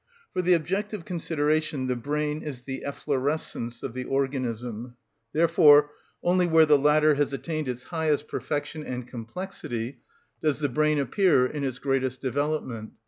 For the objective consideration the brain is the efflorescence of the organism; therefore only where the latter has attained its highest perfection and complexity does the brain appear in its greatest development.